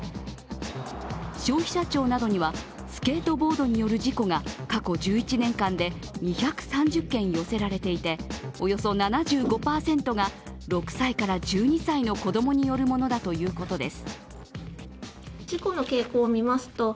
消費者庁にはスケートボードによる事故が過去１１年間で２３０件寄せられていておよそ７５％が６歳から１２歳の子供によるものだということです。